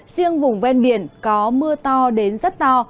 riêng vùng ven biển có mưa to đến rất to